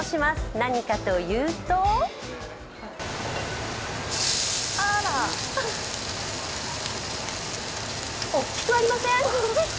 何かというと大きくありません？